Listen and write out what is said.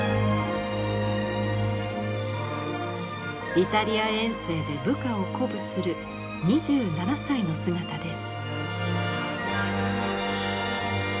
イタリア遠征で部下を鼓舞する２７歳の姿です。